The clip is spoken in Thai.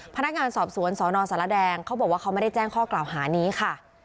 พนักงานสอบสวนสนสารแดงเขาบอกว่าเขาไม่ได้แจ้งข้อกล่าวหานี้ค่ะ